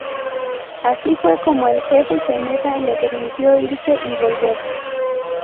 Así fue como el Jefe Seneca le permitió irse y volver.